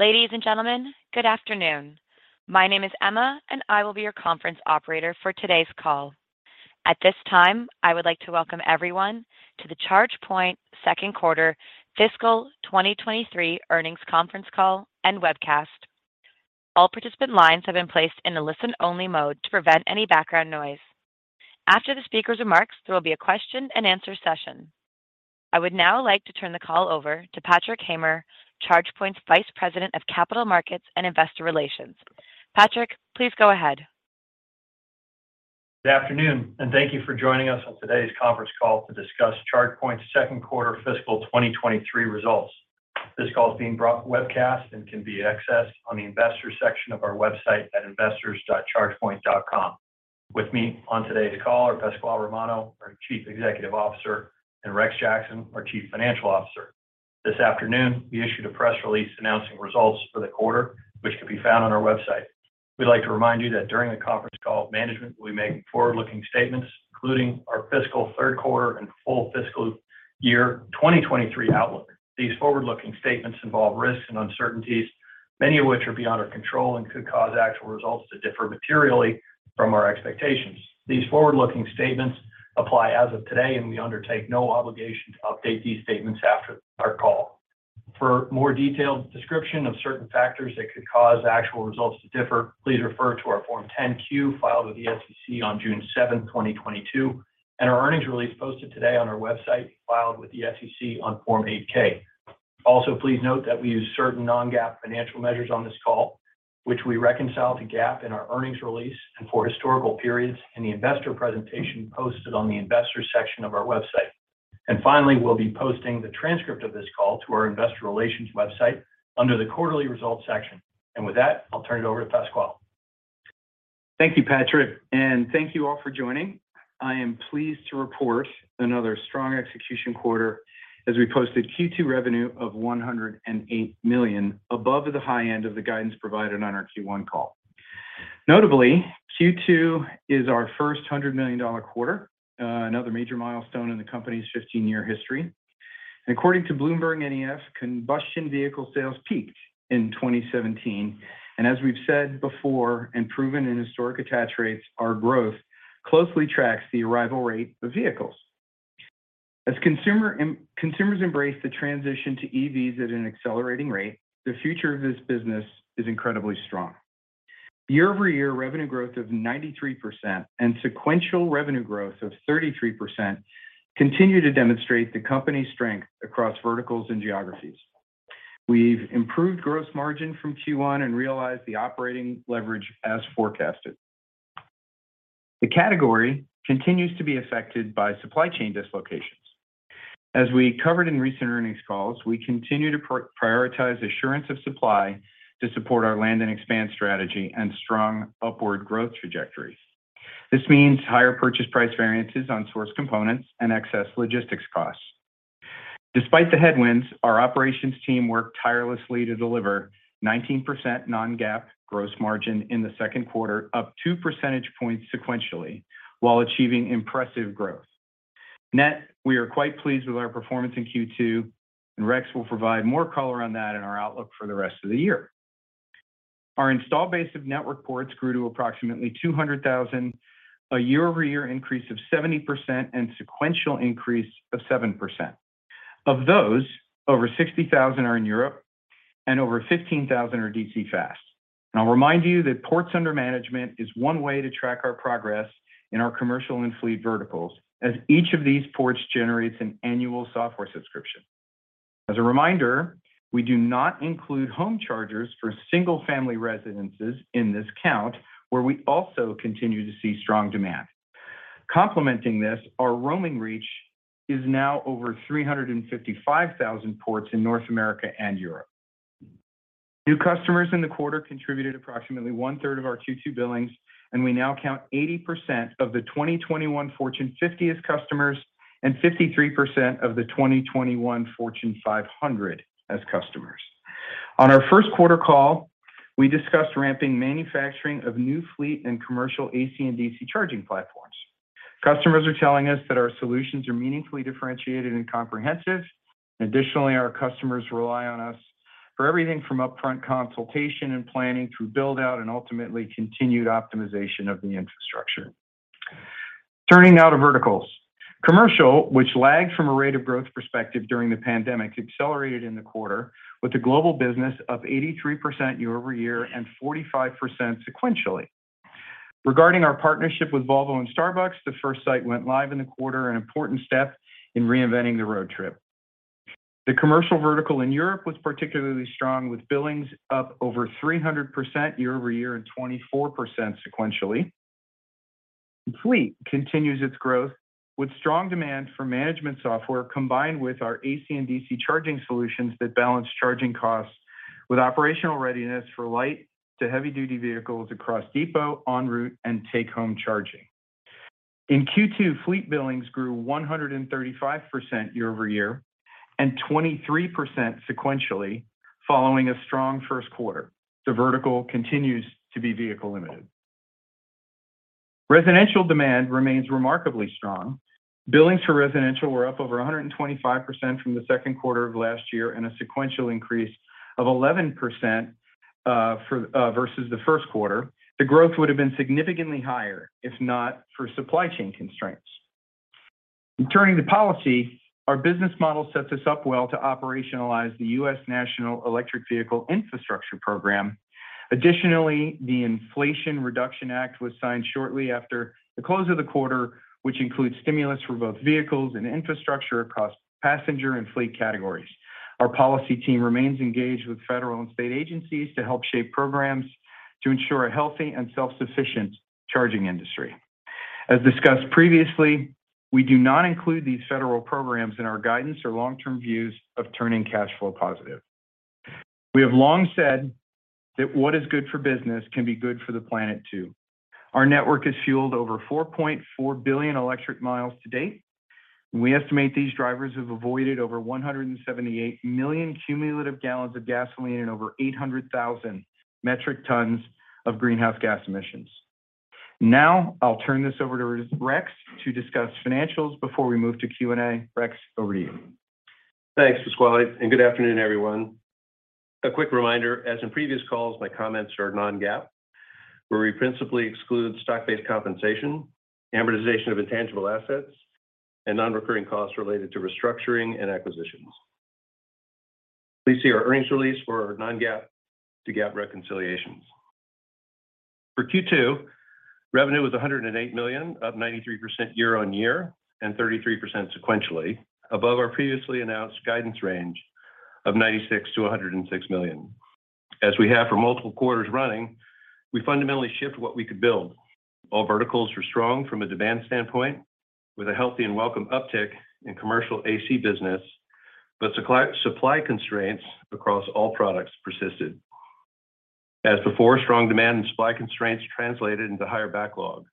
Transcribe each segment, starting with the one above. Ladies and gentlemen, good afternoon. My name is Emma, and I will be your conference operator for today's call. At this time, I would like to welcome everyone to the ChargePoint second quarter fiscal 2023 earnings conference call and webcast. All participant lines have been placed in a listen-only mode to prevent any background noise. After the speaker's remarks, there will be a question-and-answer session. I would now like to turn the call over to Patrick Hamer, ChargePoint's Vice President of Capital Markets and Investor Relations. Patrick, please go ahead. Good afternoon, and thank you for joining us on today's conference call to discuss ChargePoint's second quarter fiscal 2023 results. This call is being broadcast, webcast, and can be accessed on the Investors section of our website at investors.chargepoint.com. With me on today's call are Pasquale Romano, our Chief Executive Officer, and Rex Jackson, our Chief Financial Officer. This afternoon, we issued a press release announcing results for the quarter, which can be found on our website. We'd like to remind you that during the conference call, management will be making forward-looking statements, including our fiscal third quarter and full fiscal year 2023 outlook. These forward-looking statements involve risks and uncertainties, many of which are beyond our control and could cause actual results to differ materially from our expectations. These forward-looking statements apply as of today, and we undertake no obligation to update these statements after our call. For more detailed description of certain factors that could cause actual results to differ, please refer to our Form 10-Q filed with the SEC on June 7, 2022, and our earnings release posted today on our website filed with the SEC on Form 8-K. Also, please note that we use certain non-GAAP financial measures on this call, which we reconcile to GAAP in our earnings release and for historical periods in the investor presentation posted on the Investors section of our website. Finally, we'll be posting the transcript of this call to our investor relations website under the Quarterly Results section. With that, I'll turn it over to Pasquale. Thank you, Patrick, and thank you all for joining. I am pleased to report another strong execution quarter as we posted Q2 revenue of $108 million, above the high end of the guidance provided on our Q1 call. Notably, Q2 is our first $100 million quarter, another major milestone in the company's 15-year history. According to BloombergNEF, combustion vehicle sales peaked in 2017, and as we've said before and proven in historic attach rates, our growth closely tracks the arrival rate of vehicles. As consumers embrace the transition to EVs at an accelerating rate, the future of this business is incredibly strong. Year-over-year revenue growth of 93% and sequential revenue growth of 33% continue to demonstrate the company's strength across verticals and geographies. We've improved gross margin from Q1 and realized the operating leverage as forecasted. The category continues to be affected by supply chain dislocations. As we covered in recent earnings calls, we continue to prioritize assurance of supply to support our land and expand strategy and strong upward growth trajectories. This means higher purchase price variances on sourced components and excess logistics costs. Despite the headwinds, our operations team worked tirelessly to deliver 19% non-GAAP gross margin in the second quarter, up 2 percentage points sequentially, while achieving impressive growth. Net, we are quite pleased with our performance in Q2, and Rex will provide more color on that in our outlook for the rest of the year. Our installed base of network ports grew to approximately 200,000, a year-over-year increase of 70% and sequential increase of 7%. Of those, over 60,000 are in Europe and over 15,000 are DC fast. I'll remind you that ports under management is one way to track our progress in our commercial and fleet verticals, as each of these ports generates an annual software subscription. As a reminder, we do not include home chargers for single-family residences in this count, where we also continue to see strong demand. Complementing this, our roaming reach is now over 355,000 ports in North America and Europe. New customers in the quarter contributed approximately 1/3 of our Q2 billings, and we now count 80% of the 2021 Fortune 50 as customers and 53% of the 2021 Fortune 500 as customers. On our first quarter call, we discussed ramping manufacturing of new fleet and commercial AC and DC charging platforms. Customers are telling us that our solutions are meaningfully differentiated and comprehensive. Additionally, our customers rely on us for everything from upfront consultation and planning through build-out and ultimately continued optimization of the infrastructure. Turning now to verticals. Commercial, which lagged from a rate of growth perspective during the pandemic, accelerated in the quarter, with the global business up 83% year-over-year and 45% sequentially. Regarding our partnership with Volvo and Starbucks, the first site went live in the quarter, an important step in reinventing the road trip. The commercial vertical in Europe was particularly strong, with billings up over 300% year-over-year and 24% sequentially. Fleet continues its growth, with strong demand for management software combined with our AC and DC charging solutions that balance charging costs with operational readiness for light to heavy-duty vehicles across depot, en route, and take-home charging. In Q2, fleet billings grew 135% year-over-year and 23% sequentially, following a strong first quarter. The vertical continues to be vehicle limited. Residential demand remains remarkably strong. Billings for residential were up over 125% from the second quarter of last year and a sequential increase of 11% versus the first quarter. The growth would have been significantly higher if not for supply chain constraints. In turning to policy, our business model sets us up well to operationalize the U.S. National Electric Vehicle Infrastructure Program. Additionally, the Inflation Reduction Act was signed shortly after the close of the quarter, which includes stimulus for both vehicles and infrastructure across passenger and fleet categories. Our policy team remains engaged with federal and state agencies to help shape programs to ensure a healthy and self-sufficient charging industry. As discussed previously, we do not include these federal programs in our guidance or long-term views of turning cash flow positive. We have long said that what is good for business can be good for the planet, too. Our network has fueled over 4.4 billion electric miles to date. We estimate these drivers have avoided over 178 million cumulative gallons of gasoline and over 800,000 metric tons of greenhouse gas emissions. Now, I'll turn this over to Rex to discuss financials before we move to Q&A. Rex, over to you. Thanks, Pasquale, and good afternoon, everyone. A quick reminder, as in previous calls, my comments are non-GAAP, where we principally exclude stock-based compensation, amortization of intangible assets, and non-recurring costs related to restructuring and acquisitions. Please see our earnings release for our non-GAAP to GAAP reconciliations. For Q2, revenue was $108 million, up 93% year-over-year and 33% sequentially above our previously announced guidance range of $96 million-$106 million. As we have for multiple quarters running, we fundamentally shifted what we could build. All verticals were strong from a demand standpoint with a healthy and welcome uptick in commercial AC business, but supply constraints across all products persisted. As before, strong demand and supply constraints translated into higher backlog.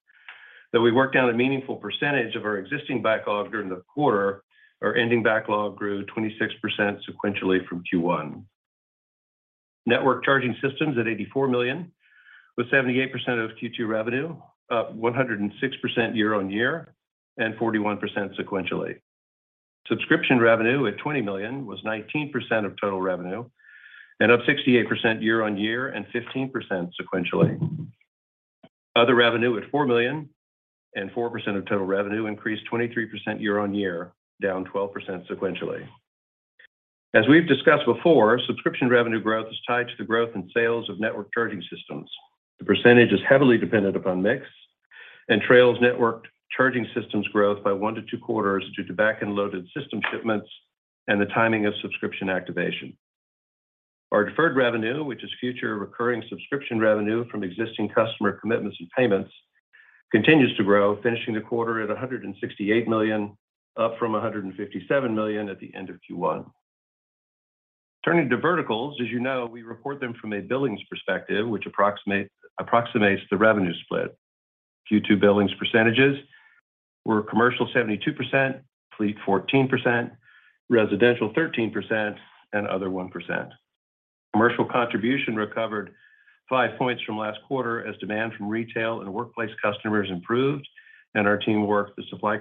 Though we worked out a meaningful percentage of our existing backlog during the quarter, our ending backlog grew 26% sequentially from Q1. Network Charging Systems at $84 million, with 78% of Q2 revenue, up 106% year-over-year and 41% sequentially. Subscription Revenue at $20 million was 19% of total revenue and up 68% year-over-year and 15% sequentially. Other revenue at $4 million and 4% of total revenue increased 23% year-over-year, down 12% sequentially. As we've discussed before, Subscription Revenue growth is tied to the growth in sales of Network Charging Systems. The percentage is heavily dependent upon mix and trails Network Charging Systems growth by one to two quarters due to back-end loaded system shipments and the timing of subscription activation. Our deferred revenue, which is future recurring subscription revenue from existing customer commitments and payments, continues to grow, finishing the quarter at $168 million, up from $157 million at the end of Q1. Turning to verticals, as you know, we report them from a billings perspective, which approximates the revenue split. Q2 billings percentages were commercial 72%, fleet 14%, residential 13%, and other 1%. Commercial contribution recovered 5 points from last quarter as demand from retail and workplace customers improved, and our team worked the supply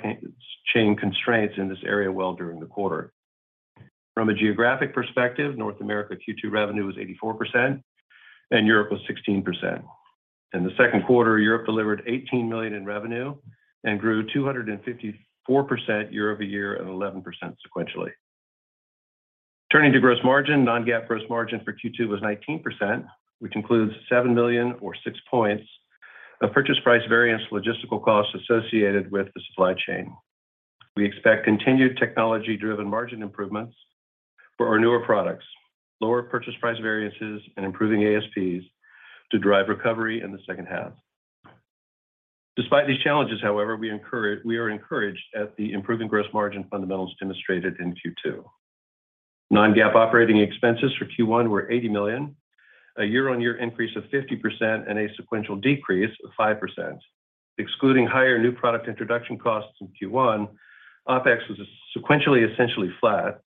chain constraints in this area well during the quarter. From a geographic perspective, North America Q2 revenue was 84% and Europe was 16%. In the second quarter, Europe delivered $18 million in revenue and grew 254% year-over-year and 11% sequentially. Turning to gross margin, non-GAAP gross margin for Q2 was 19%, which includes $7 million or 6 points of purchase price variance logistical costs associated with the supply chain. We expect continued technology-driven margin improvements for our newer products, lower purchase price variances, and improving ASPs to drive recovery in the second half. Despite these challenges, however, we are encouraged at the improving gross margin fundamentals demonstrated in Q2. Non-GAAP operating expenses for Q1 were $80 million, a year-on-year increase of 50% and a sequential decrease of 5%. Excluding higher new product introduction costs in Q1, OpEx was sequentially, essentially flat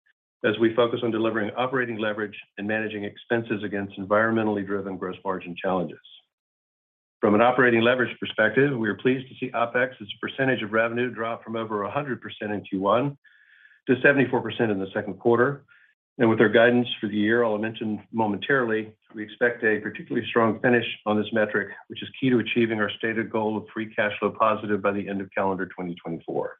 as we focus on delivering operating leverage and managing expenses against environmentally driven gross margin challenges. From an operating leverage perspective, we are pleased to see OpEx as a percentage of revenue drop from over 100% in Q1 to 74% in the second quarter. With our guidance for the year, I'll mention momentarily, we expect a particularly strong finish on this metric, which is key to achieving our stated goal of free cash flow positive by the end of calendar 2024.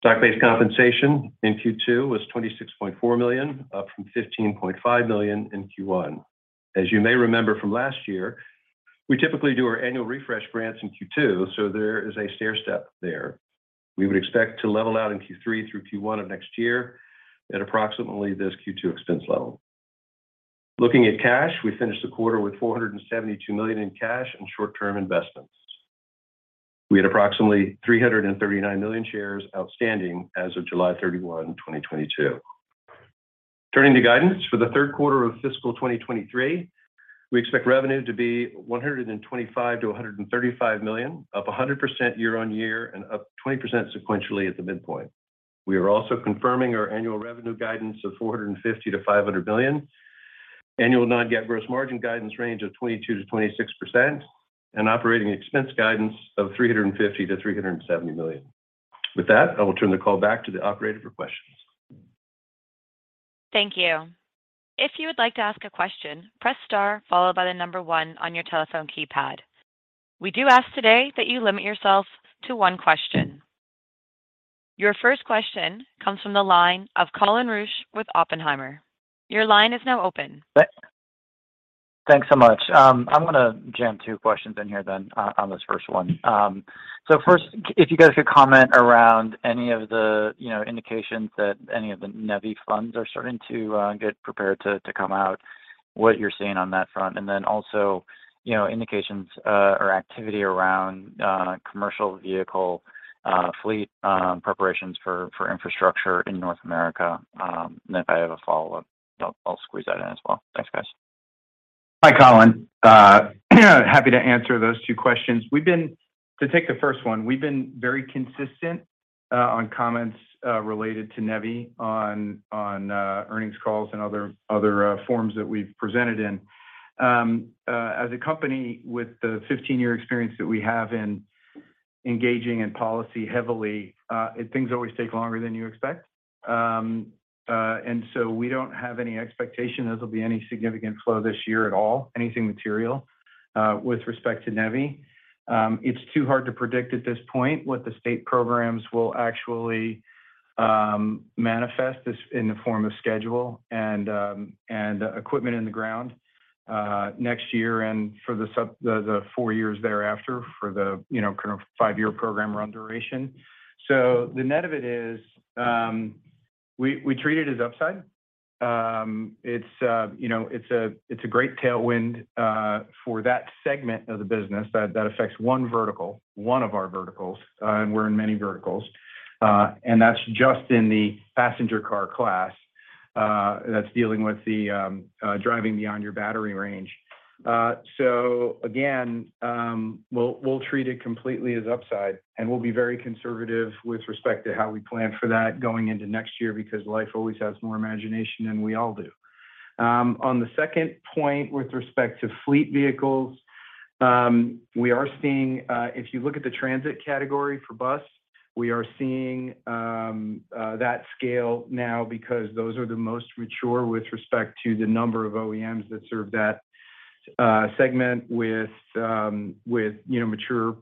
Stock-based compensation in Q2 was $26.4 million, up from $15.5 million in Q1. As you may remember from last year, we typically do our annual refresh grants in Q2, so there is a stairstep there. We would expect to level out in Q3 through Q1 of next year at approximately this Q2 expense level. Looking at cash, we finished the quarter with $472 million in cash and short-term investments. We had approximately 339 million shares outstanding as of July 31, 2022. Turning to guidance for the third quarter of fiscal 2023, we expect revenue to be $125 million-$135 million, up 100% year-on-year and up 20% sequentially at the midpoint. We are also confirming our annual revenue guidance of $450 million-$500 million. Annual non-GAAP gross margin guidance range of 22%-26% and operating expense guidance of $350 million-$370 million. With that, I will turn the call back to the operator for questions. Thank you. If you would like to ask a question, press star followed by the number one on your telephone keypad. We do ask today that you limit yourself to one question. Your first question comes from the line of Colin Rusch with Oppenheimer. Your line is now open. Thanks so much. I'm gonna jam two questions in here then on this first one. First, if you guys could comment around any of the, you know, indications that any of the NEVI funds are starting to get prepared to come out, what you're seeing on that front. Then also, you know, indications or activity around commercial vehicle fleet preparations for infrastructure in North America. If I have a follow-up, I'll squeeze that in as well. Thanks, guys. Hi, Colin. Happy to answer those two questions. To take the first one, we've been very consistent on comments related to NEVI on earnings calls and other forums that we've presented in. As a company with the 15-year experience that we have in engaging in policy heavily, things always take longer than you expect. We don't have any expectation there'll be any significant flow this year at all, anything material with respect to NEVI. It's too hard to predict at this point what the state programs will actually manifest this in the form of schedule and equipment in the ground next year and for the four years thereafter for the, you know, kind of 5-year program run duration. The net of it is, we treat it as upside. It's, you know, a great tailwind for that segment of the business that affects one vertical, one of our verticals, and we're in many verticals. That's just in the passenger car class, that's dealing with the driving beyond your battery range. Again, we'll treat it completely as upside, and we'll be very conservative with respect to how we plan for that going into next year because life always has more imagination than we all do. On the second point with respect to fleet vehicles, we are seeing, if you look at the transit category for bus, we are seeing that scale now because those are the most mature with respect to the number of OEMs that serve that segment with, you know, mature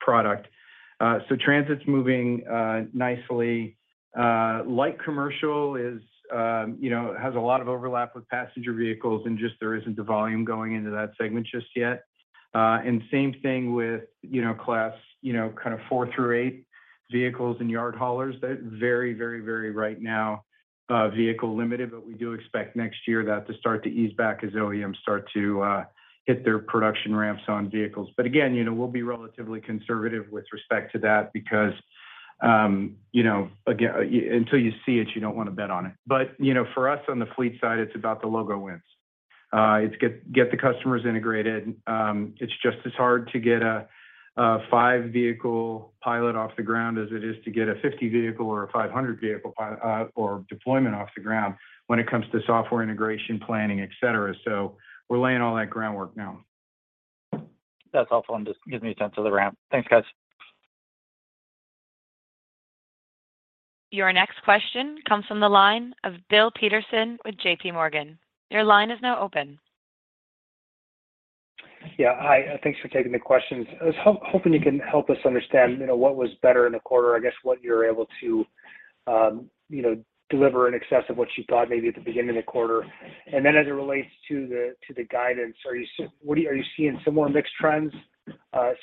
product. Transit's moving nicely. Light commercial, you know, has a lot of overlap with passenger vehicles, and just there isn't the volume going into that segment just yet. Same thing with, you know, class, you know, kind of four through eight vehicles and yard haulers. They're very right now vehicle limited, but we do expect next year that to start to ease back as OEMs start to hit their production ramps on vehicles. Again, you know, we'll be relatively conservative with respect to that because, you know, again, until you see it, you don't wanna bet on it. You know, for us on the fleet side, it's about the logo wins. It's to get the customers integrated. It's just as hard to get a 5-vehicle pilot off the ground as it is to get a 50-vehicle or a 500-vehicle pilot or deployment off the ground when it comes to software integration, planning, etc. We're laying all that groundwork now. That's helpful and just gives me a sense of the ramp. Thanks, guys. Your next question comes from the line of Bill Peterson with JPMorgan. Your line is now open. Yeah. Hi, thanks for taking the questions. I was hoping you can help us understand, you know, what was better in the quarter, I guess, what you're able to, you know, deliver in excess of what you thought maybe at the beginning of the quarter. As it relates to the guidance, are you seeing similar mixed trends?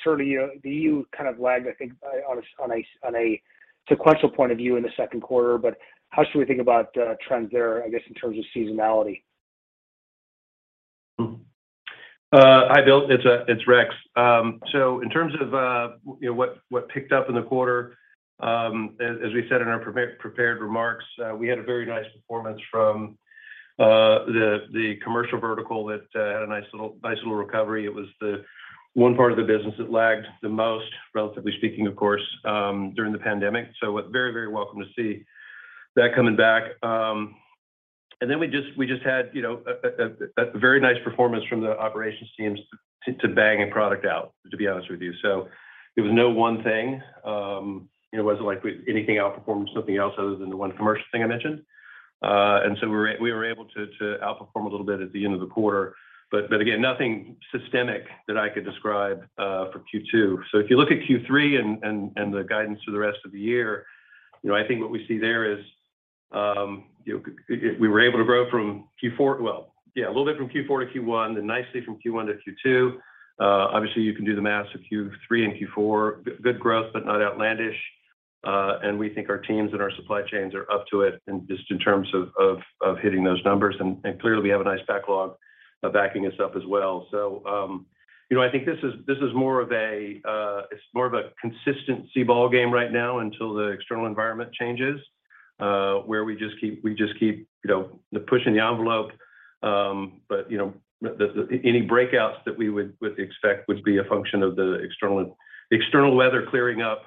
Certainly, the EU kind of lagged, I think, on a sequential point of view in the second quarter, but how should we think about trends there, I guess, in terms of seasonality? Hi, Bill, it's Rex. In terms of you know, what picked up in the quarter, as we said in our prepared remarks, we had a very nice performance from the commercial vertical that had a nice little recovery. It was the one part of the business that lagged the most, relatively speaking, of course, during the pandemic. We're very welcome to see that coming back. We just had you know, a very nice performance from the operations teams to bang a product out, to be honest with you. It was no one thing. It wasn't like anything outperformed something else other than the one commercial thing I mentioned. We were able to outperform a little bit at the end of the quarter. Again, nothing systemic that I could describe for Q2. If you look at Q3 and the guidance for the rest of the year, you know, I think what we see there is we were able to grow a little bit from Q4 to Q1, and nicely from Q1 to Q2. Obviously, you can do the math, so Q3 and Q4, good growth but not outlandish. We think our teams and our supply chains are up to it in just in terms of hitting those numbers. Clearly, we have a nice backlog backing us up as well. You know, I think this is more of a consistency ball game right now until the external environment changes, where we just keep pushing the envelope. You know, any breakouts that we would expect would be a function of the external weather clearing up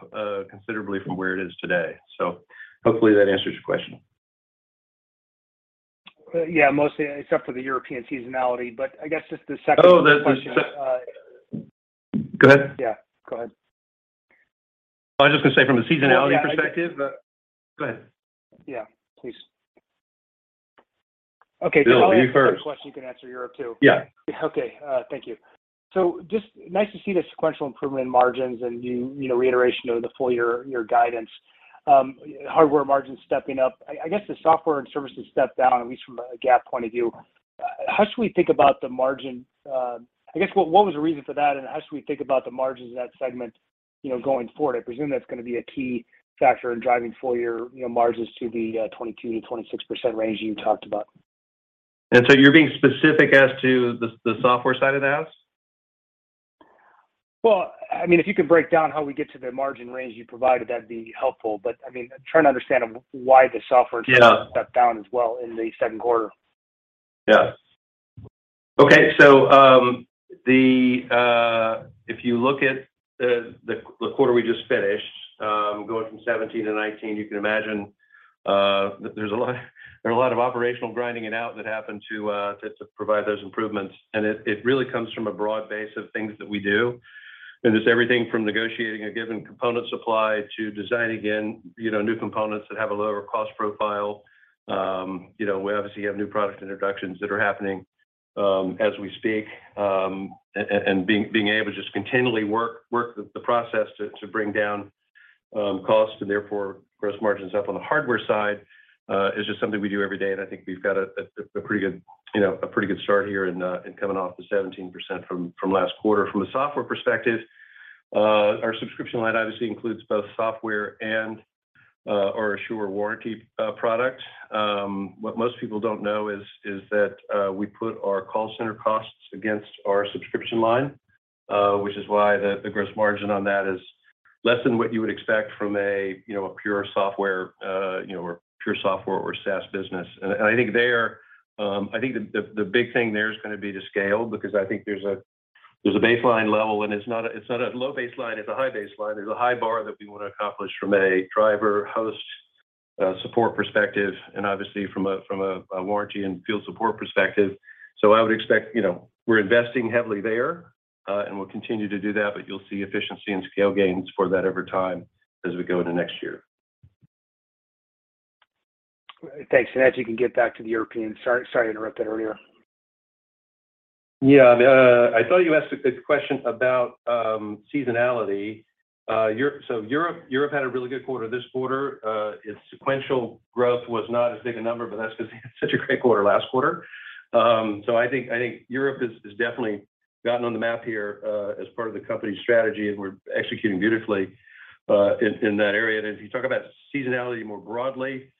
considerably from where it is today. Hopefully, that answers your question. Yeah, mostly except for the European seasonality. I guess just the second question, Go ahead. Yeah, go ahead. I was just gonna say from the seasonality perspective. Oh, yeah. Go ahead. Yeah, please. Okay. Bill, you first. I have a question you can answer Europe, too. Yeah. Okay, thank you. Just nice to see the sequential improvement in margins and you know, reiteration of the full year guidance. Hardware margins stepping up. I guess the software and services stepped down, at least from a GAAP point of view. How should we think about the margin? I guess what was the reason for that, and how should we think about the margins in that segment, you know, going forward? I presume that's gonna be a key factor in driving full year, you know, margins to the 22%-26% range you talked about. You're being specific as to the software side of the house? Well, I mean, if you could break down how we get to the margin range you provided, that'd be helpful. I mean, trying to understand why the software. Yeah stepped down as well in the second quarter. Yeah. Okay. If you look at the quarter we just finished, going from 2017 to 2019, you can imagine, there are a lot of operational grinding it out that happened to provide those improvements. It really comes from a broad base of things that we do. It's everything from negotiating a given component supply to designing in, you know, new components that have a lower cost profile. You know, we obviously have new product introductions that are happening as we speak. And being able to just continually work the process to bring down costs and therefore gross margins up on the hardware side is just something we do every day. I think we've got a pretty good start here in coming off the 17% from last quarter. From a software perspective, our subscription line obviously includes both software and our Assure warranty product. What most people don't know is that we put our call center costs against our subscription line, which is why the gross margin on that is less than what you would expect from a pure software or SaaS business. I think the big thing there is gonna be to scale, because I think there's a baseline level, and it's not a low baseline, it's a high baseline. There's a high bar that we want to accomplish from a driver host support perspective and obviously from a warranty and field support perspective. I would expect, you know, we're investing heavily there, and we'll continue to do that, but you'll see efficiency and scale gains for that over time as we go into next year. Thanks. Sorry to interrupt that earlier. Yeah. I thought you asked a good question about seasonality. Europe had a really good quarter this quarter. Its sequential growth was not as big a number, but that's 'cause they had such a great quarter last quarter. I think Europe has definitely gotten on the map here as part of the company's strategy, and we're executing beautifully in that area. If you talk about seasonality more broadly,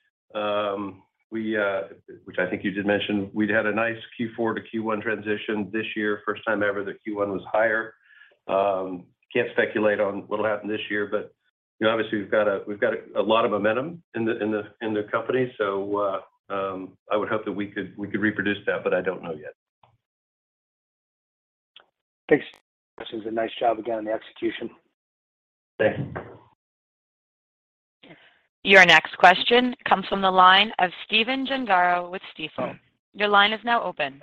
which I think you did mention, we'd had a nice Q4 to Q1 transition this year. First time ever that Q1 was higher. Can't speculate on what'll happen this year, but you know, obviously we've got a lot of momentum in the company. I would hope that we could reproduce that, but I don't know yet. Thanks. This is a nice job again on the execution. Okay. Your next question comes from the line of Stephen Gengaro with Stifel. Your line is now open.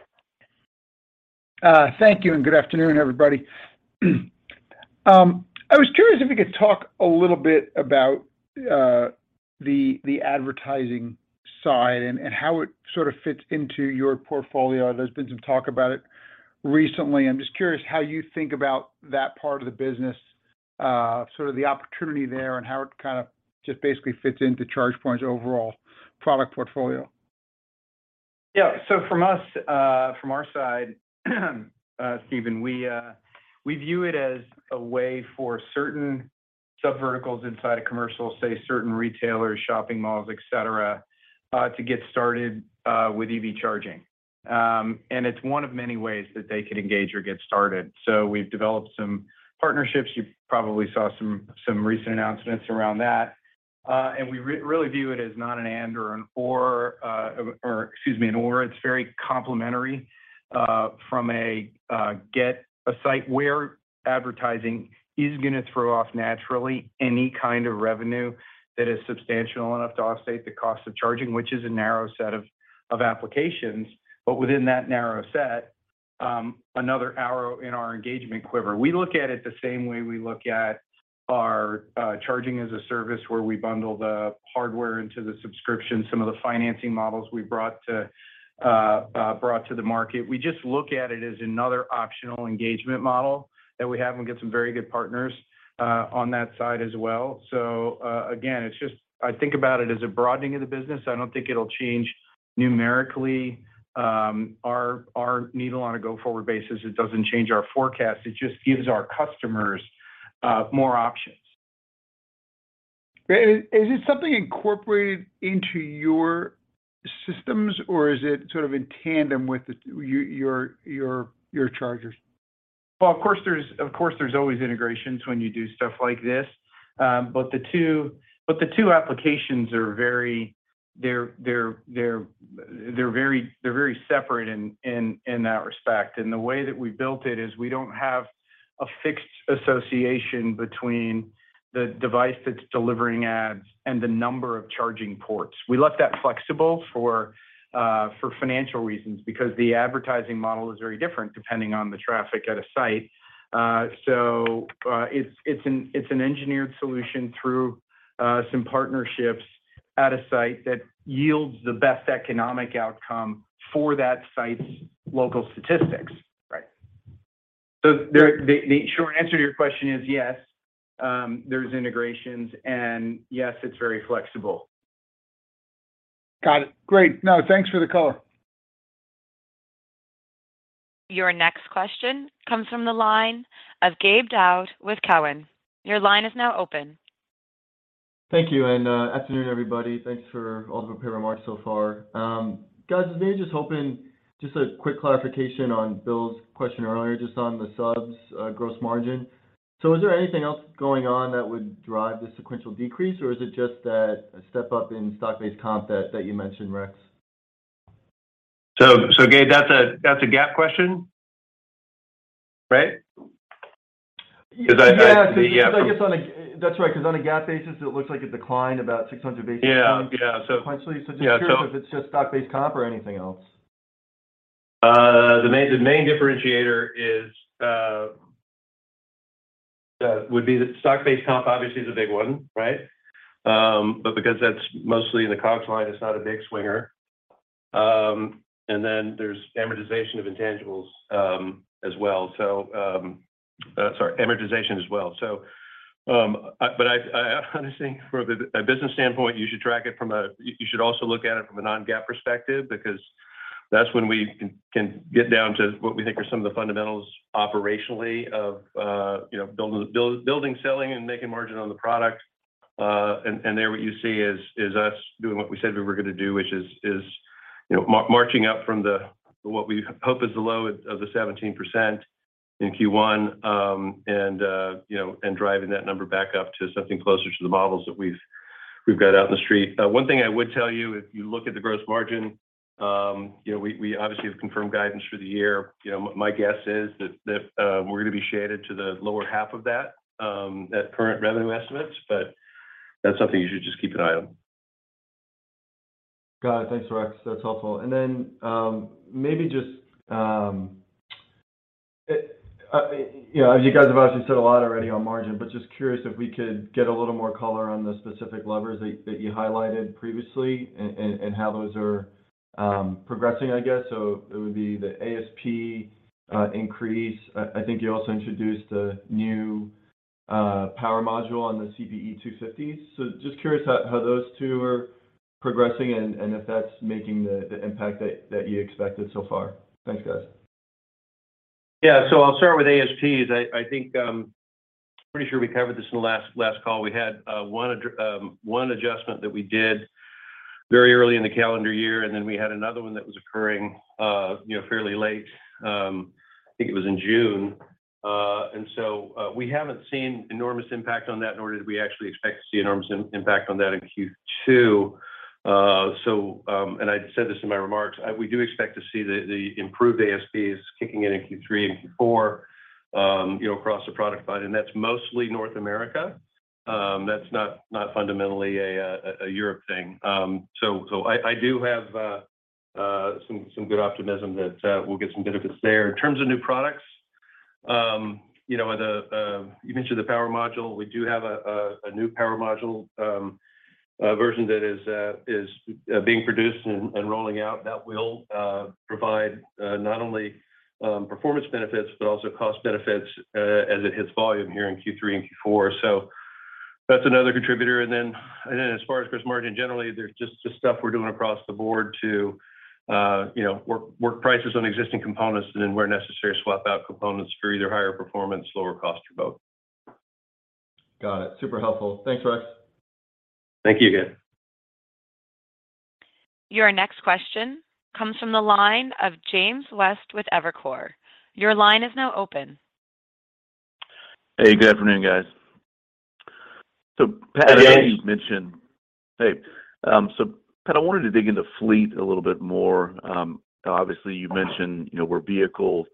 Thank you and good afternoon, everybody. I was curious if you could talk a little bit about the advertising side and how it sort of fits into your portfolio. There's been some talk about it recently. I'm just curious how you think about that part of the business, sort of the opportunity there and how it kind of just basically fits into ChargePoint's overall product portfolio. From our side, Steven, we view it as a way for certain subverticals inside a commercial, say certain retailers, shopping malls, et cetera, to get started with EV charging. It's one of many ways that they could engage or get started. We've developed some partnerships. You probably saw some recent announcements around that. We really view it as not an and/or. It's very complementary from a site where advertising is gonna throw off naturally any kind of revenue that is substantial enough to offset the cost of charging, which is a narrow set of applications. Within that narrow set, another arrow in our engagement quiver. We look at it the same way we look at our ChargePoint as a Service where we bundle the hardware into the subscription, some of the financing models we brought to the market. We just look at it as another optional engagement model that we have, and we got some very good partners on that side as well. Again, it's just I think about it as a broadening of the business. I don't think it'll change numerically our needle on a go-forward basis. It doesn't change our forecast. It just gives our customers more options. Great. Is it something incorporated into your systems, or is it sort of in tandem with your chargers? Well, of course there's always integrations when you do stuff like this. The two applications are very. They're very separate in that respect. The way that we built it is we don't have a fixed association between the device that's delivering ads and the number of charging ports. We left that flexible for financial reasons because the advertising model is very different depending on the traffic at a site. It's an engineered solution through some partnerships at a site that yields the best economic outcome for that site's local statistics. Right. The short answer to your question is yes, there's integrations, and yes, it's very flexible. Got it. Great. No, thanks for the color. Your next question comes from the line of Gabe Daoud with Cowen. Your line is now open. Thank you, afternoon, everybody. Thanks for all the prepared remarks so far. Guys, I was maybe just hoping just a quick clarification on Bill's question earlier, just on the subs, gross margin. Is there anything else going on that would drive the sequential decrease, or is it just that step up in stock-based comp that you mentioned, Rex? Gabe, that's a GAAP question, right? Yeah. The, the, yeah- That's right, 'cause on a GAAP basis it looks like it declined about 600 basis points. Yeah. Yeah Sequentially. Yeah. Just curious if it's just stock-based comp or anything else? The main differentiator would be the stock-based comp obviously is a big one, right? Because that's mostly in the COGS line, it's not a big swinger. There's amortization of intangibles as well. Honestly, from a business standpoint, you should also look at it from a non-GAAP perspective because that's when we can get down to what we think are some of the fundamentals operationally of, you know, building, selling, and making margin on the product. There what you see is us doing what we said we were gonna do, which is, you know, marching up from what we hope is the low of 17% in Q1, and you know, driving that number back up to something closer to the models that we've got out in the street. One thing I would tell you, if you look at the gross margin, you know, we obviously have confirmed guidance for the year. You know, my guess is that we're gonna be shaded to the lower half of that at current revenue estimates, but that's something you should just keep an eye on. Got it. Thanks, Rex. That's helpful. Then, maybe just, you know, you guys have obviously said a lot already on margin, but just curious if we could get a little more color on the specific levers that you highlighted previously and how those are progressing, I guess. It would be the ASP increase. I think you also introduced a new power module on the CPE 250. Just curious how those two are progressing and if that's making the impact that you expected so far. Thanks, guys. Yeah. I'll start with ASPs. I think pretty sure we covered this in the last call. We had one adjustment that we did very early in the calendar year, and then we had another one that was occurring, you know, fairly late, I think it was in June. We haven't seen enormous impact on that, nor did we actually expect to see enormous impact on that in Q2. I said this in my remarks, we do expect to see the improved ASPs kicking in in Q3 and Q4, you know, across the product line, and that's mostly North America. That's not fundamentally a Europe thing. I do have some good optimism that we'll get some benefits there. In terms of new products, you know, you mentioned the power module. We do have a new power module version that is being produced and rolling out that will provide not only performance benefits, but also cost benefits, as it hits volume here in Q3 and Q4. That's another contributor. As far as gross margin, generally, there's just the stuff we're doing across the board to, you know, work prices on existing components and then where necessary, swap out components for either higher performance, lower cost, or both. Got it. Super helpful. Thanks, Rex. Thank you, Gabe. Your next question comes from the line of James West with Evercore. Your line is now open. Hey, good afternoon, guys. Pat- Hey, James. I know you mentioned. Hey. Pat, I wanted to dig into fleet a little bit more. Obviously, you mentioned, you know, we're vehicle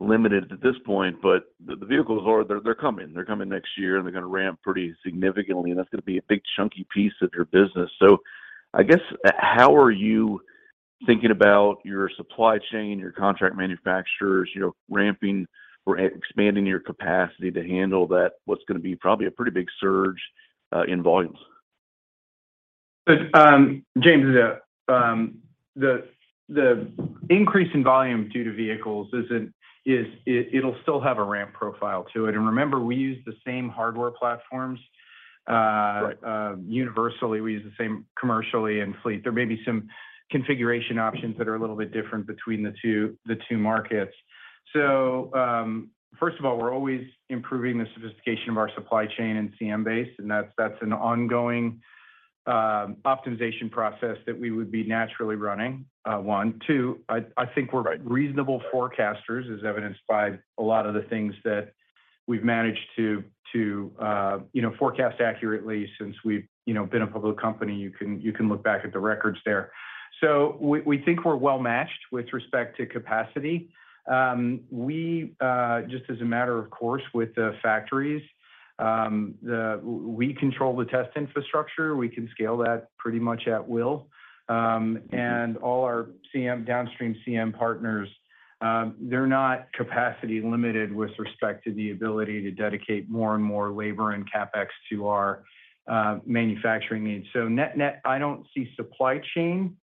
limited at this point, but the vehicles are coming. They're coming next year, and they're gonna ramp pretty significantly, and that's gonna be a big chunky piece of your business. I guess, how are you thinking about your supply chain, your contract manufacturers, you know, ramping or expanding your capacity to handle that, what's gonna be probably a pretty big surge in volumes? James, the increase in volume due to vehicles is. It'll still have a ramp profile to it. Remember, we use the same hardware platforms. Right universally. We use the same commercial and fleet. There may be some configuration options that are a little bit different between the two markets. First of all, we're always improving the sophistication of our supply chain and CM base, and that's an ongoing optimization process that we would be naturally running, one. Two, I think we're reasonable forecasters, as evidenced by a lot of the things that We've managed to you know forecast accurately since we've you know been a public company. You can look back at the records there. We think we're well matched with respect to capacity. We just as a matter of course with the factories we control the test infrastructure, we can scale that pretty much at will. All our CM downstream CM partners, they're not capacity limited with respect to the ability to dedicate more and more labor and CapEx to our manufacturing needs. Net-net, I don't see supply chain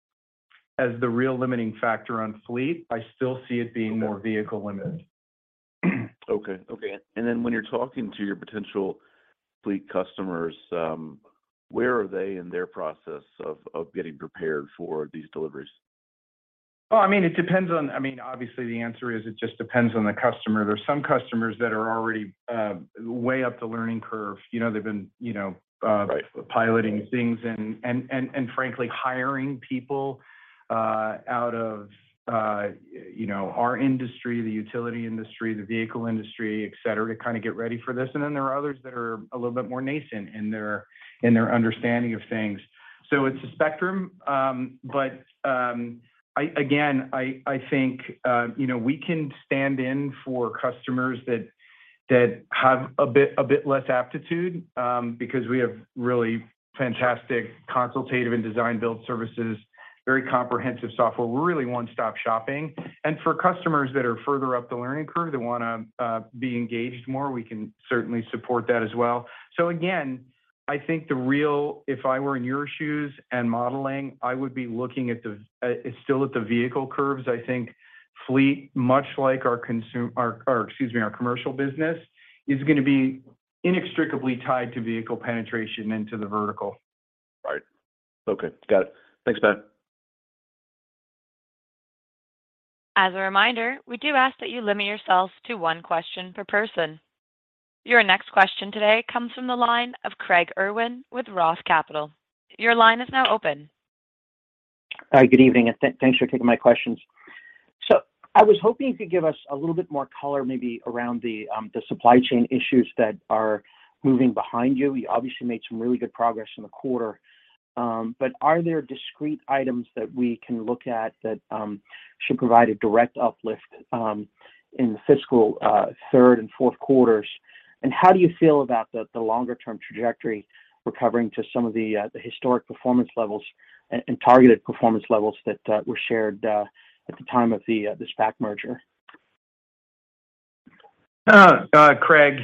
as the real limiting factor on fleet. I still see it being more vehicle limited. When you're talking to your potential fleet customers, where are they in their process of getting prepared for these deliveries? Oh, I mean, obviously, the answer is it just depends on the customer. There's some customers that are already way up the learning curve. You know, they've been, you know, Right piloting things and frankly hiring people out of you know our industry the utility industry the vehicle industry et cetera to kind of get ready for this. Then there are others that are a little bit more nascent in their understanding of things. It's a spectrum. I think you know we can stand in for customers that have a bit less aptitude because we have really fantastic consultative and design build services very comprehensive software. We're really one-stop shopping. For customers that are further up the learning curve that wanna be engaged more we can certainly support that as well. Again I think if I were in your shoes and modeling I would be looking at still the vehicle curves. I think fleet, much like our commercial business, is gonna be inextricably tied to vehicle penetration into the vertical. Right. Okay. Got it. Thanks, Pat. As a reminder, we do ask that you limit yourselves to one question per person. Your next question today comes from the line of Craig Irwin with ROTH Capital. Your line is now open. Good evening, and thanks for taking my questions. I was hoping you could give us a little bit more color maybe around the supply chain issues that are moving behind you. You obviously made some really good progress in the quarter. But are there discrete items that we can look at that should provide a direct uplift in the fiscal third and fourth quarters? How do you feel about the longer term trajectory recovering to some of the historic performance levels and targeted performance levels that were shared at the time of the SPAC merger? Craig,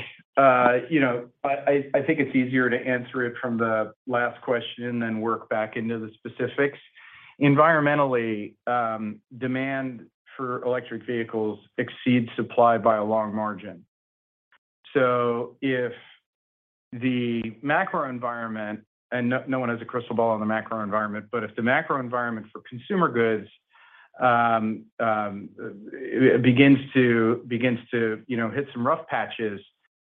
you know, I think it's easier to answer it from the last question than work back into the specifics. Environmentally, demand for electric vehicles exceeds supply by a long margin. If the macro environment, no one has a crystal ball on the macro environment, but if the macro environment for consumer goods begins to you know, hit some rough patches,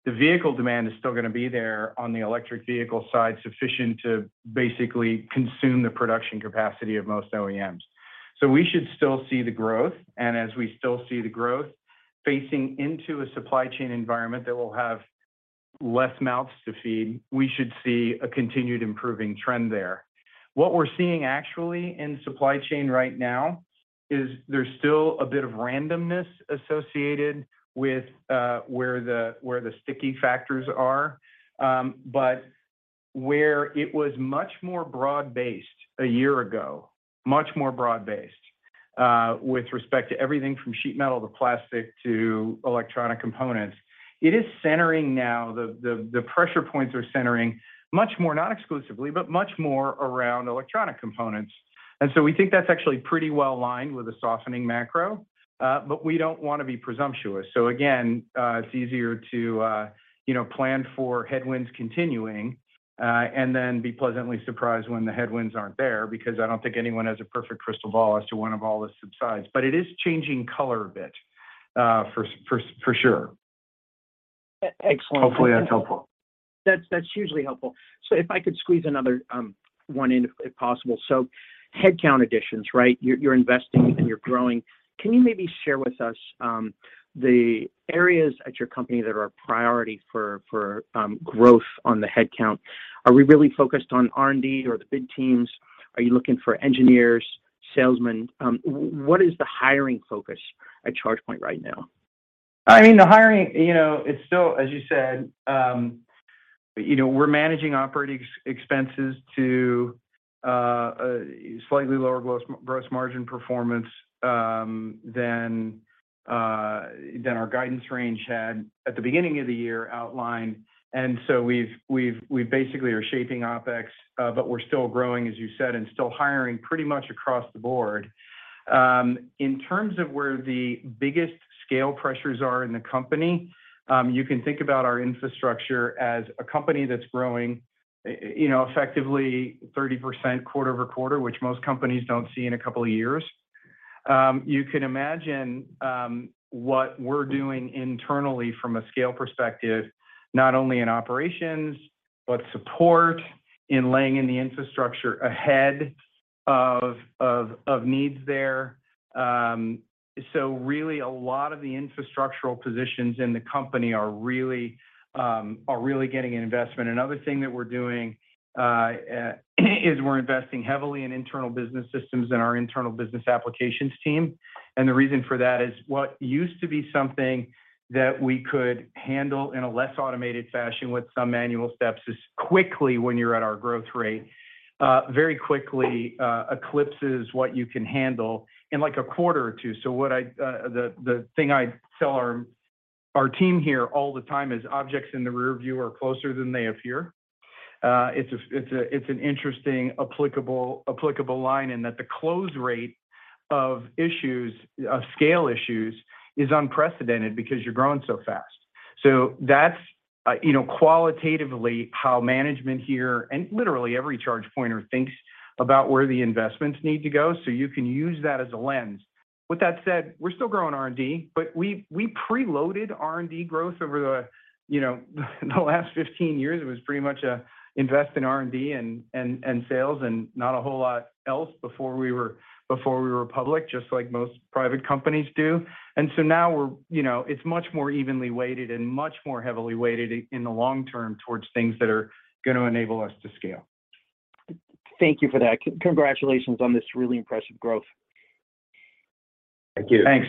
the vehicle demand is still gonna be there on the electric vehicle side, sufficient to basically consume the production capacity of most OEMs. We should still see the growth, and as we still see the growth facing into a supply chain environment that will have less mouths to feed, we should see a continued improving trend there. What we're seeing actually in supply chain right now is there's still a bit of randomness associated with where the sticky factors are. But where it was much more broad-based a year ago, much more broad-based with respect to everything from sheet metal to plastic to electronic components, it is centering now. The pressure points are centering much more, not exclusively, but much more around electronic components. We think that's actually pretty well aligned with a softening macro. We don't wanna be presumptuous. Again, it's easier to you know plan for headwinds continuing and then be pleasantly surprised when the headwinds aren't there because I don't think anyone has a perfect crystal ball as to when all of this subsides. It is changing color a bit for sure. Ex-excellent. Hopefully, that's helpful. That's hugely helpful. If I could squeeze another one in if possible. Headcount additions, right? You're investing and you're growing. Can you maybe share with us the areas at your company that are a priority for growth on the headcount? Are we really focused on R&D or the big teams? Are you looking for engineers, salesmen? What is the hiring focus at ChargePoint right now? I mean, the hiring, you know, it's still, as you said, we're managing operating expenses to a slightly lower gross margin performance than our guidance range had at the beginning of the year outlined. We've basically are shaping OpEx, but we're still growing, as you said, and still hiring pretty much across the board. In terms of where the biggest scale pressures are in the company, you can think about our infrastructure as a company that's growing, you know, effectively 30% quarter-over-quarter, which most companies don't see in a couple of years. You can imagine what we're doing internally from a scale perspective, not only in operations, but support in laying in the infrastructure ahead. Really a lot of the infrastructural positions in the company are really getting an investment. Another thing that we're doing is we're investing heavily in internal business systems and our internal business applications team. The reason for that is what used to be something that we could handle in a less automated fashion with some manual steps is quickly when you're at our growth rate very quickly eclipses what you can handle in like a quarter or two. The thing I tell our team here all the time is objects in the rear view are closer than they appear. It's an interesting applicable line and the close rate of scale issues is unprecedented because you're growing so fast. That's you know, qualitatively how management here and literally every Chargepointer thinks about where the investments need to go. You can use that as a lens. With that said, we're still growing R&D, but we preloaded R&D growth over you know the last 15 years. It was pretty much invest in R&D and sales and not a whole lot else before we were public, just like most private companies do. Now we're you know, it's much more evenly weighted and much more heavily weighted in the long term towards things that are gonna enable us to scale. Thank you for that. Congratulations on this really impressive growth. Thank you. Thanks.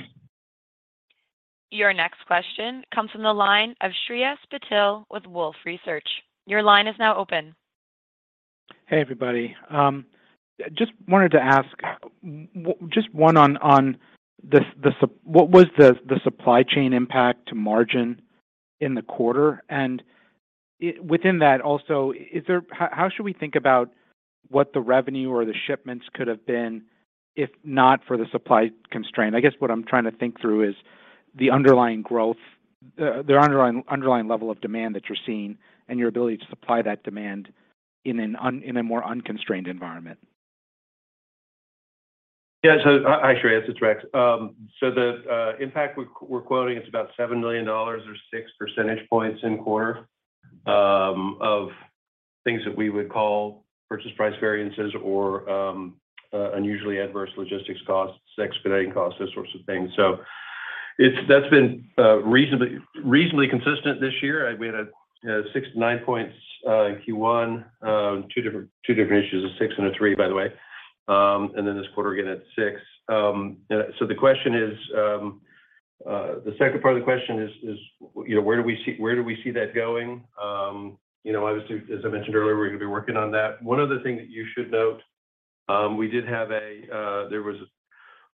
Your next question comes from the line of Shreyas Patil with Wolfe Research. Your line is now open. Hey, everybody. Just wanted to ask just one on the supply chain impact to margin in the quarter? Within that also, how should we think about what the revenue or the shipments could have been, if not for the supply constraint? I guess what I'm trying to think through is the underlying growth, the underlying level of demand that you're seeing and your ability to supply that demand in a more unconstrained environment. Yeah. Hi, Shreyas, it's Rex. The impact we're quoting, it's about $7 million or 6 percentage points in quarter of things that we would call purchase price variances or unusually adverse logistics costs, expediting costs, those sorts of things. It's that's been reasonably consistent this year. We had a 6-9 points in Q1, two different issues, a 6 and a 3, by the way. And then this quarter, again at 6. The question is, the second part of the question is, you know, where do we see that going? You know, obviously, as I mentioned earlier, we're gonna be working on that. One other thing that you should note, we did have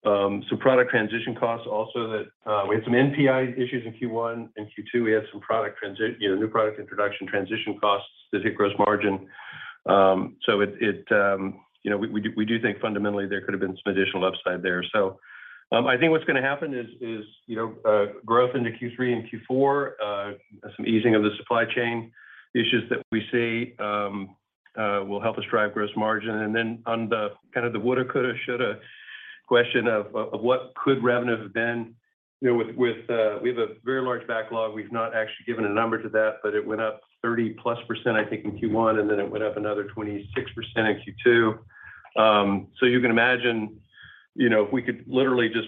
some product transition costs also that we had some NPI issues in Q1 and Q2. We had some new product introduction transition costs that hit gross margin. You know, we do think fundamentally there could have been some additional upside there. I think what's gonna happen is you know, growth into Q3 and Q4, some easing of the supply chain issues that we see will help us drive gross margin. Then on the kind of the woulda, coulda, shoulda question of what could revenue have been, you know, we have a very large backlog. We've not actually given a number to that, but it went up 30%+, I think, in Q1, and then it went up another 26% in Q2. You can imagine, you know, if we could literally just,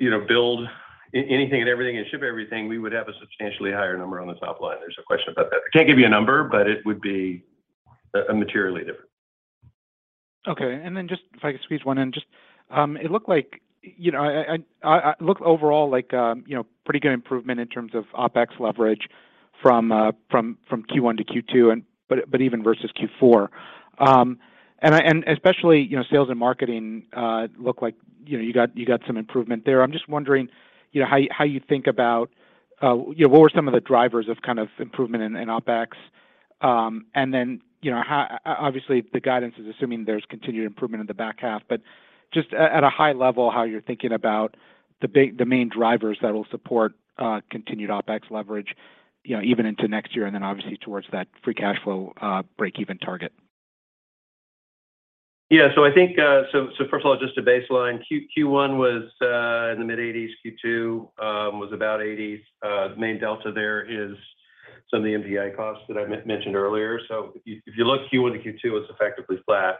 you know, build anything and everything and ship everything, we would have a substantially higher number on the top line. There's no question about that. I can't give you a number, but it would be materially different. Okay. Just if I could squeeze one in. Just it looked overall like, you know, pretty good improvement in terms of OpEx leverage from Q1 to Q2 but even versus Q4. Especially, you know, sales and marketing look like, you know, you got some improvement there. I'm just wondering, you know, how you think about, you know, what were some of the drivers of kind of improvement in OpEx? You know, obviously the guidance is assuming there's continued improvement in the back half, but just at a high level, how you're thinking about the main drivers that will support continued OpEx leverage, you know, even into next year and then obviously towards that free cash flow breakeven target? I think first of all, just to baseline, Q1 was in the mid-80s%, Q2 was about 80s%. The main delta there is some of the NPI costs that I mentioned earlier. If you look at Q1 to Q2, it's effectively flat.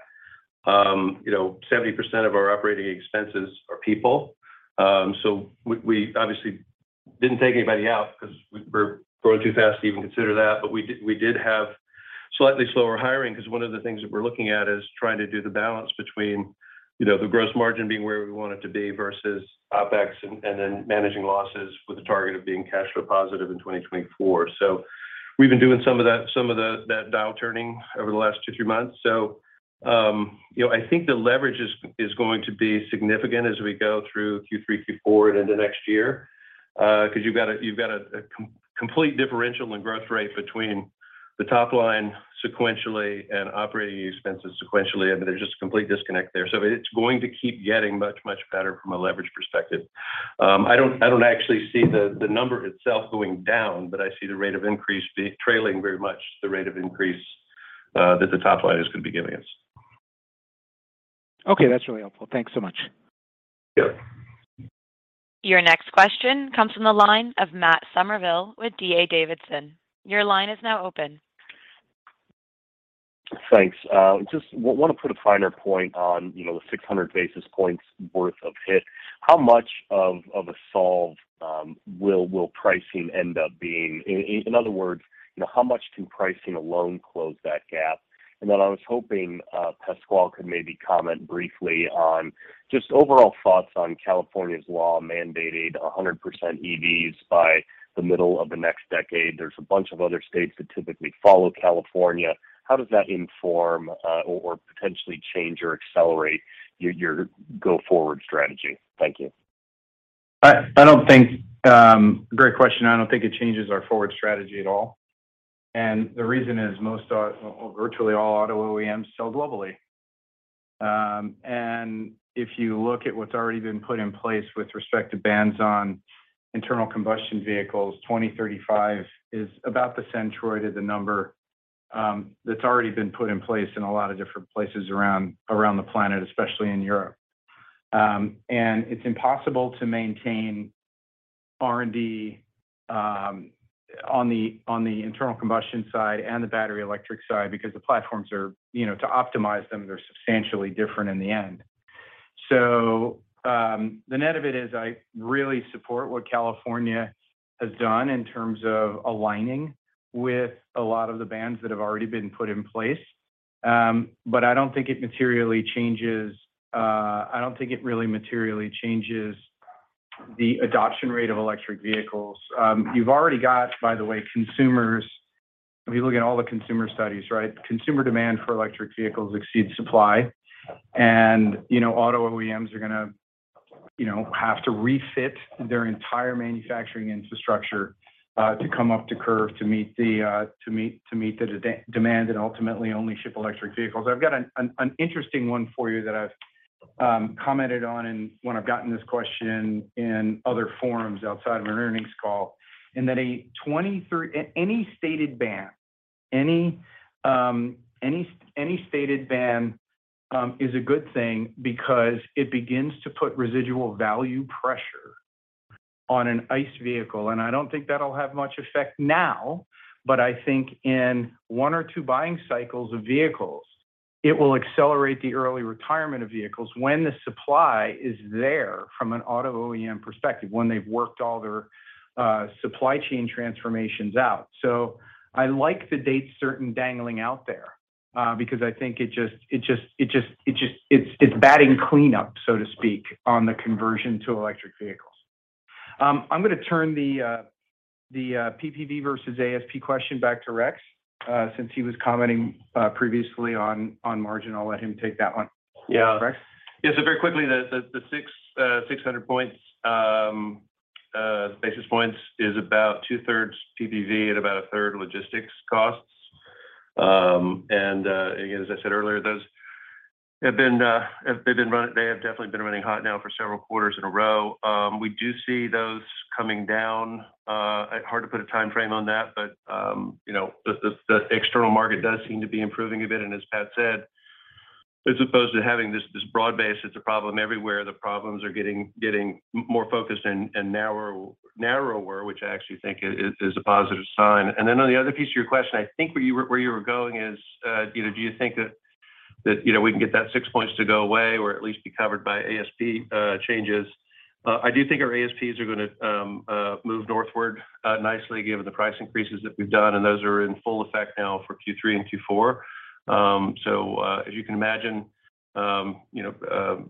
You know, 70% of our operating expenses are people. We obviously didn't take anybody out 'cause we're growing too fast to even consider that. We did have slightly slower hiring 'cause one of the things that we're looking at is trying to do the balance between, you know, the gross margin being where we want it to be versus OpEx and then managing losses with the target of being cash flow positive in 2024. We've been doing some of that dial turning over the last two, three months. You know, I think the leverage is going to be significant as we go through Q3, Q4 and into next year. 'Cause you've got a complete differential in growth rate between the top line sequentially and operating expenses sequentially. I mean, there's just a complete disconnect there. It's going to keep getting much, much better from a leverage perspective. I don't actually see the number itself going down, but I see the rate of increase trailing very much the rate of increase that the top line is gonna be giving us. Okay, that's really helpful. Thanks so much. Yeah. Your next question comes from the line of Matthew Summerville with D.A. Davidson. Your line is now open. Thanks. Just want to put a finer point on, you know, the 600 basis points worth of hit. How much of a solve will pricing end up being? In other words, you know, how much can pricing alone close that gap? I was hoping Pasquale could maybe comment briefly on just overall thoughts on California's law mandating 100% EVs by the middle of the next decade. There's a bunch of other states that typically follow California. How does that inform or potentially change or accelerate your go-forward strategy? Thank you. Great question. I don't think it changes our forward strategy at all. The reason is virtually all auto OEMs sell globally. If you look at what's already been put in place with respect to bans on internal combustion vehicles, 2035 is about the centroid of the number that's already been put in place in a lot of different places around the planet, especially in Europe. It's impossible to maintain R&D on the internal combustion side and the battery electric side because the platforms are, you know, to optimize them, they're substantially different in the end. The net of it is I really support what California has done in terms of aligning with a lot of the bans that have already been put in place. I don't think it materially changes. I don't think it really materially changes the adoption rate of electric vehicles. You've already got, by the way, consumers. If you look at all the consumer studies, right? Consumer demand for electric vehicles exceeds supply. You know, auto OEMs are gonna, you know, have to refit their entire manufacturing infrastructure to come up to curve to meet the demand and ultimately only ship electric vehicles. I've got an interesting one for you that I've commented on and when I've gotten this question in other forums outside of an earnings call, and that any stated ban is a good thing because it begins to put residual value pressure on an ICE vehicle. I don't think that'll have much effect now, but I think in one or two buying cycles of vehicles, it will accelerate the early retirement of vehicles when the supply is there from an auto OEM perspective, when they've worked all their supply chain transformations out. I like the date certain dangling out there because I think it just it's batting cleanup, so to speak, on the conversion to electric vehicles. I'm gonna turn the PPV versus ASP question back to Rex since he was commenting previously on margin. I'll let him take that one. Yeah. Rex? Very quickly, 600 basis points is about two-thirds PPV and about a third logistics costs. Again, as I said earlier, those have definitely been running hot now for several quarters in a row. We do see those coming down. Hard to put a time frame on that, but you know, the external market does seem to be improving a bit. As Pat said, as opposed to having this broad base, it's a problem everywhere. The problems are getting more focused and narrower, which I actually think is a positive sign. On the other piece of your question, I think where you were going is, you know, do you think that you know we can get that 6 points to go away or at least be covered by ASP changes? I do think our ASPs are gonna move northward nicely given the price increases that we've done, and those are in full effect now for Q3 and Q4. As you can imagine, you know,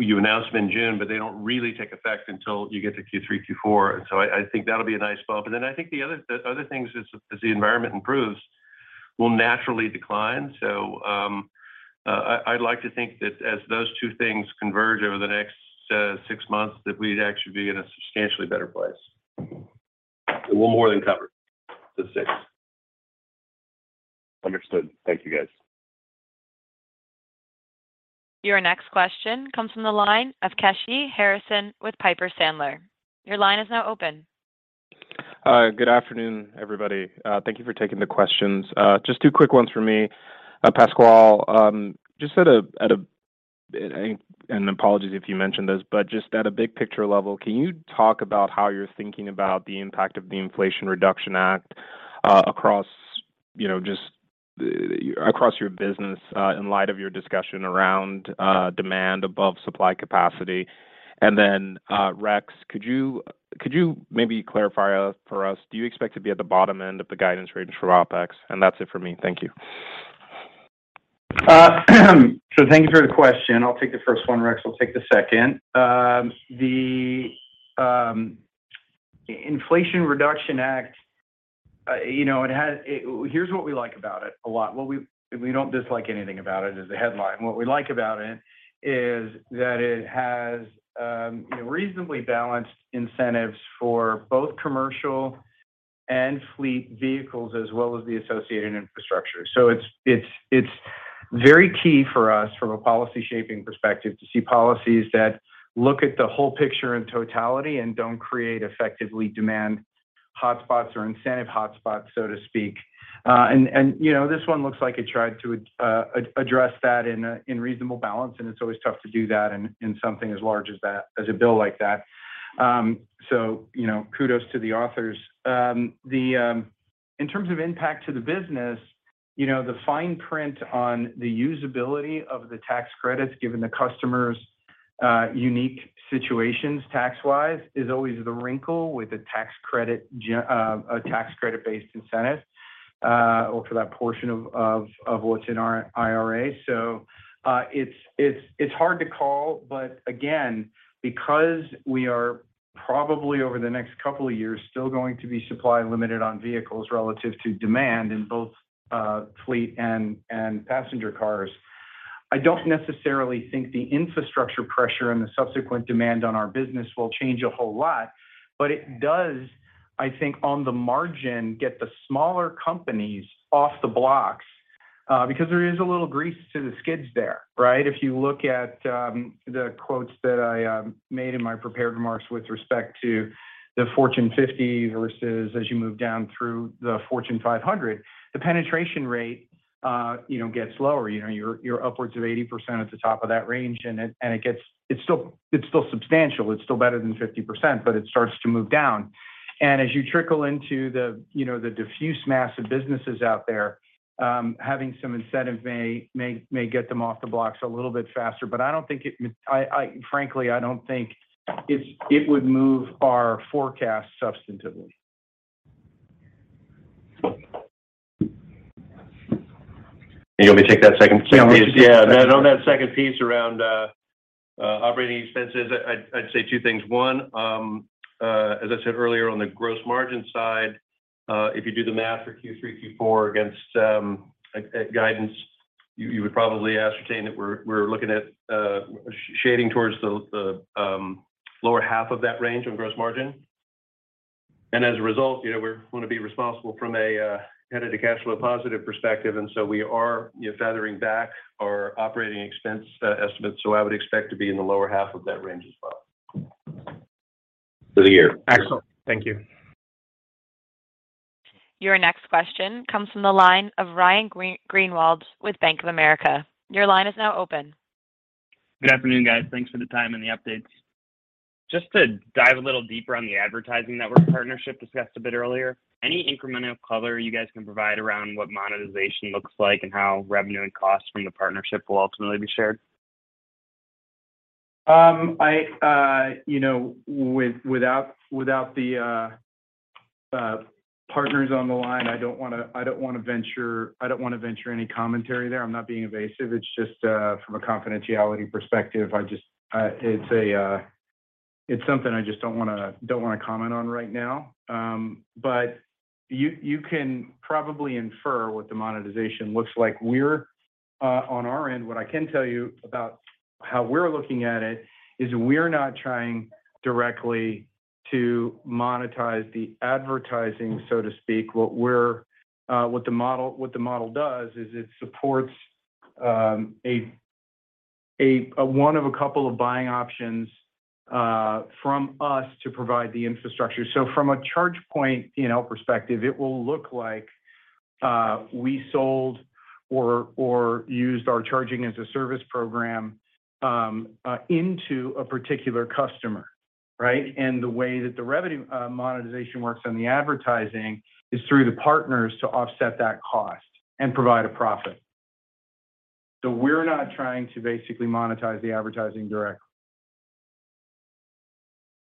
you announce them in June, but they don't really take effect until you get to Q3, Q4. I think that'll be a nice bump. I think the other things as the environment improves will naturally decline. I'd like to think that as those two things converge over the next six months, that we'd actually be in a substantially better place. It will more than cover the six. Understood. Thank you, guys. Your next question comes from the line of Kashy Harrison with Piper Sandler. Your line is now open. Good afternoon, everybody. Thank you for taking the questions. Just two quick ones for me. Pasquale, apologies if you mentioned this, but just at a big picture level, can you talk about how you're thinking about the impact of the Inflation Reduction Act across, you know, just across your business in light of your discussion around demand above supply capacity? Then, Rex, could you maybe clarify for us, do you expect to be at the bottom end of the guidance range for OpEx? That's it for me. Thank you. Thank you for the question. I'll take the first one. Rex will take the second. Inflation Reduction Act, you know, it has. Here's what we like about it a lot. Well, we don't dislike anything about it is the headline. What we like about it is that it has, you know, reasonably balanced incentives for both commercial and fleet vehicles as well as the associated infrastructure. It's very key for us from a policy shaping perspective to see policies that look at the whole picture in totality and don't create effectively demand hotspots or incentive hotspots, so to speak. And you know, this one looks like it tried to address that in reasonable balance, and it's always tough to do that in something as large as that, as a bill like that. You know, kudos to the authors. In terms of impact to the business, you know, the fine print on the usability of the tax credits given the customers' unique situations tax-wise is always the wrinkle with a tax credit-based incentive or for that portion of what's in our IRA. It's hard to call. Again, because we are probably over the next couple of years still going to be supply limited on vehicles relative to demand in both fleet and passenger cars, I don't necessarily think the infrastructure pressure and the subsequent demand on our business will change a whole lot. It does, I think, on the margin, get the smaller companies off the blocks, because there is a little grease to the skids there, right? If you look at the quotes that I made in my prepared remarks with respect to the Fortune 50 versus as you move down through the Fortune 500, the penetration rate you know gets lower. You know, you're upwards of 80% at the top of that range. It's still substantial. It's still better than 50%, but it starts to move down. As you trickle into the you know, the diffuse mass of businesses out there, having some incentive may get them off the blocks a little bit faster. But I frankly don't think it would move our forecast substantively. You'll let me take that second piece. On that second piece around operating expenses, I'd say two things. One, as I said earlier on the gross margin side, if you do the math for Q3, Q4 against a guidance, you would probably ascertain that we're looking at shading towards the lower half of that range on gross margin. As a result, you know, we're gonna be responsible from a net cash flow positive perspective. We are, you know, feathering back our operating expense estimates. I would expect to be in the lower half of that range as well. For the year. Yeah. Excellent. Thank you. Your next question comes from the line of Ryan Greenwald with Bank of America. Your line is now open. Good afternoon, guys. Thanks for the time and the updates. Just to dive a little deeper on the advertising network partnership discussed a bit earlier, any incremental color you guys can provide around what monetization looks like and how revenue and cost from the partnership will ultimately be shared? You know, without the partners on the line, I don't wanna venture any commentary there. I'm not being evasive. It's just from a confidentiality perspective. I just, it's something I just don't wanna comment on right now. You can probably infer what the monetization looks like. On our end, what I can tell you about how we're looking at it is we're not trying directly to monetize the advertising, so to speak. What the model does is it supports one of a couple of buying options from us to provide the infrastructure. From a ChargePoint, you know, perspective, it will look like we sold or used our ChargePoint as a Service program into a particular customer, right? The way that the revenue monetization works on the advertising is through the partners to offset that cost and provide a profit. We're not trying to basically monetize the advertising directly.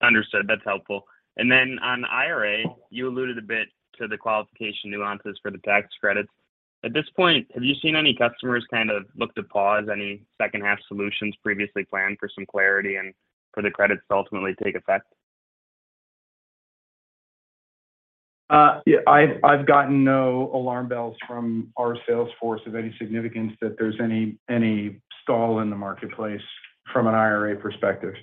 Understood. That's helpful. On IRA, you alluded a bit to the qualification nuances for the tax credits. At this point, have you seen any customers kind of look to pause any second half solutions previously planned for some clarity and for the credits to ultimately take effect? Yeah, I've gotten no alarm bells from our sales force of any significance that there's any stall in the marketplace from an IRA perspective.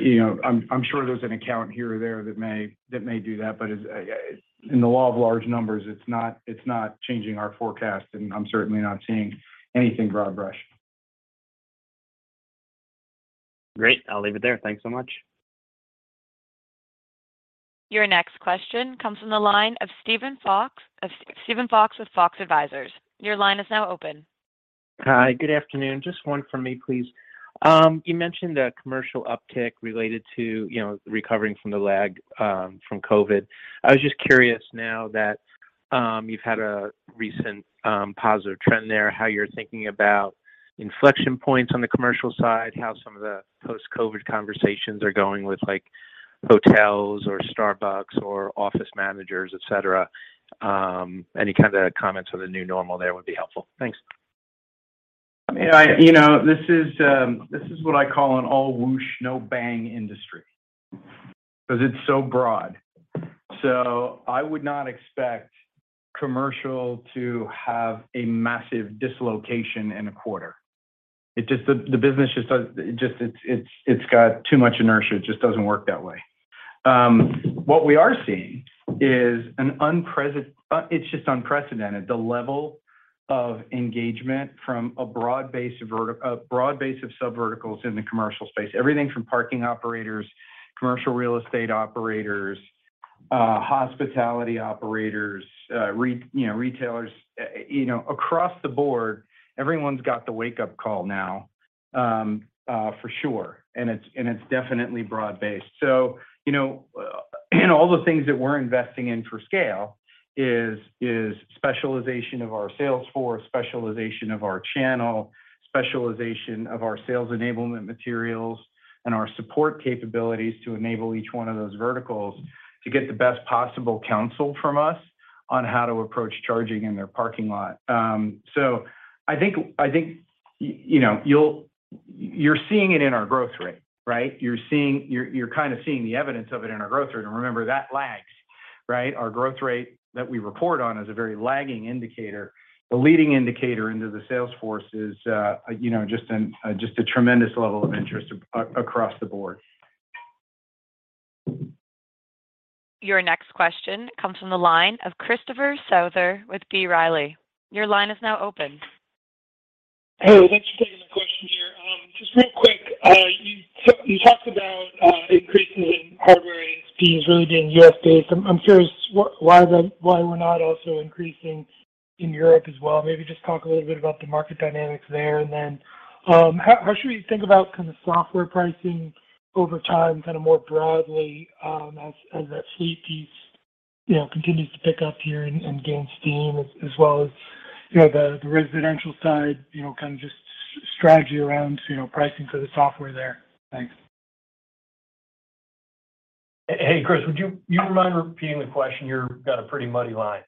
You know, I'm sure there's an account here or there that may do that. In the law of large numbers, it's not changing our forecast, and I'm certainly not seeing anything broad brush. Great. I'll leave it there. Thanks so much. Your next question comes from the line of Steven Fox with Fox Advisors. Your line is now open. Hi, good afternoon. Just one from me, please. You mentioned a commercial uptick related to, you know, recovering from the lag from COVID. I was just curious now that you've had a recent positive trend there, how you're thinking about inflection points on the commercial side, how some of the post-COVID conversations are going with like hotels or Starbucks or office managers, et cetera. Any kind of comments on the new normal there would be helpful. Thanks. I mean, you know, this is what I call an all whoosh, no bang industry 'cause it's so broad. I would not expect commercial to have a massive dislocation in a quarter. The business just has too much inertia. It just doesn't work that way. What we are seeing is it's just unprecedented, the level. of engagement from a broad base of subverticals in the commercial space. Everything from parking operators, commercial real estate operators, hospitality operators, you know, retailers, you know, across the board, everyone's got the wake-up call now, for sure. It's definitely broad-based. You know, all the things that we're investing in for scale is specialization of our sales force, specialization of our channel, specialization of our sales enablement materials, and our support capabilities to enable each one of those verticals to get the best possible counsel from us on how to approach charging in their parking lot. I think you know, you're seeing it in our growth rate, right? You're kinda seeing the evidence of it in our growth rate. Remember, that lags, right? Our growth rate that we report on is a very lagging indicator. The leading indicator into the sales force is, you know, just a tremendous level of interest across the board. Your next question comes from the line of Christopher Souther with B. Riley. Your line is now open. Hey, thanks for taking the question here. Just real quick, you talked about increases in hardware ASPs really being U.S.-based. I'm curious why we're not also increasing in Europe as well. Maybe just talk a little bit about the market dynamics there. How should we think about kind of software pricing over time, kind of more broadly, as that fleet piece, you know, continues to pick up here and gain steam as well as, you know, the residential side, you know, kind of just strategy around, you know, pricing for the software there? Thanks. Hey, Chris, would you, do you mind repeating the question? You've got a pretty muddy line.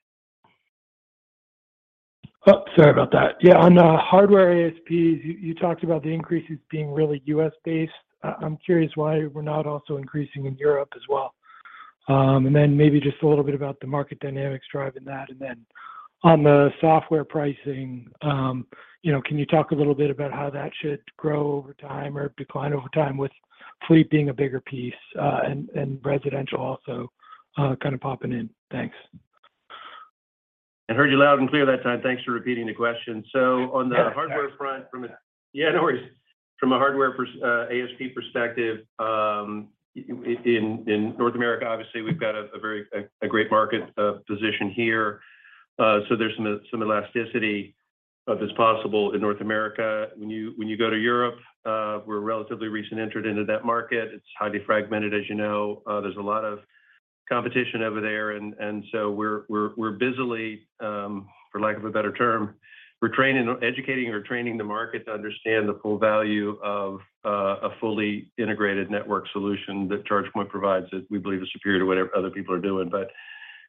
Sorry about that. Yeah, on the hardware ASPs, you talked about the increases being really U.S.-based. I'm curious why we're not also increasing in Europe as well. Maybe just a little bit about the market dynamics driving that. On the software pricing, you know, can you talk a little bit about how that should grow over time or decline over time with fleet being a bigger piece, and residential also kind of popping in? Thanks. I heard you loud and clear that time. Thanks for repeating the question. On the hardware front from a Yeah, no worries. Yeah, no worries. From a hardware ASP perspective, in North America, obviously, we've got a very great market position here. So there's some elasticity of this possible in North America. When you go to Europe, we're a relatively recent entrant into that market. It's highly fragmented, as you know. There's a lot of competition over there and so we're busily, for lack of a better term, we're training or educating or training the market to understand the full value of a fully integrated network solution that ChargePoint provides that we believe is superior to whatever other people are doing.